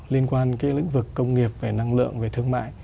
liên quan lĩnh vực công nghiệp năng lượng thương mại